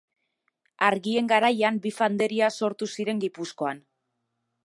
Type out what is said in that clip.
Argien Garaian bi fanderia sortu ziren Gipuzkoan.